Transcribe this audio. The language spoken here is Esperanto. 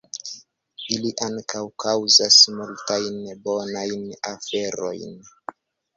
Ili ankaŭ kaŭzas multajn bonajn aferojn.